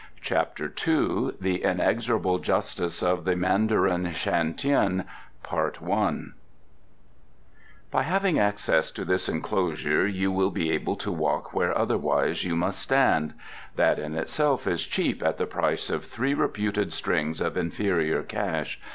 CHAPTER II The Inexorable Justice of the Mandarin Shan Tien "By having access to this enclosure you will be able to walk where otherwise you must stand. That in itself is cheap at the price of three reputed strings of inferior cash.